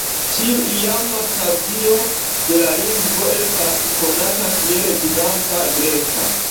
Tiu iama stadio de la lingvo estas konata kiel bizanca greka.